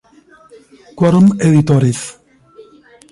Quorum Editores.